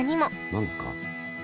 何ですか？